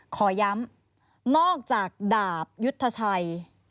ขอย้ำนอกจากดาบยุทธชัย